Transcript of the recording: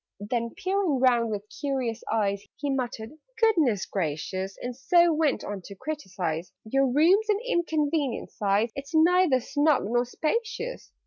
Then, peering round with curious eyes, He muttered "Goodness gracious!" And so went on to criticise "Your room's an inconvenient size: It's neither snug nor spacious.